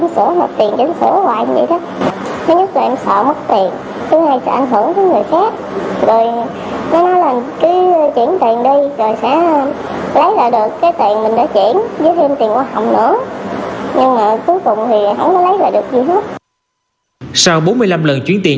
sau bốn mươi năm lần chuyển tiền